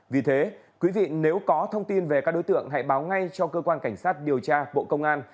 vì thế quý vị nếu có thông tin về các đối tượng hãy báo ngay cho cơ quan cảnh sát điều tra bộ công an